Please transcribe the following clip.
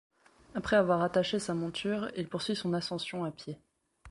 Après avoir attaché sa monture, il poursuit son ascension à pied.